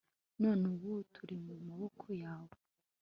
none ubu turi mu maboko yawe